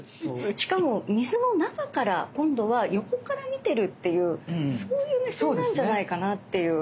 しかも水の中から今度は横から見てるっていうそういう目線なんじゃないかなっていう。